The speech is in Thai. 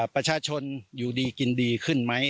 ประชาชนอยู่ดีกินดีขึ้นไหม